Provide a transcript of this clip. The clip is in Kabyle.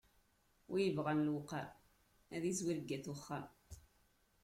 Win yebɣam luqam, ad yezwir deg wat uxxam.